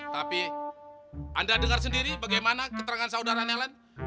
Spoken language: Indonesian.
tapi anda dengar sendiri bagaimana keterangan saudara nelan